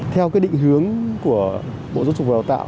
theo cái định hướng của bộ giáo dục và đào tạo